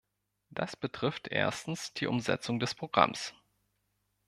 Das betrifft erstens die Umsetzung des Programms.